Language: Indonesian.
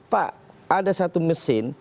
pak ada satu mesin